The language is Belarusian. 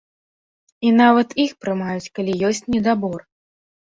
І нават іх прымаюць, калі ёсць недабор.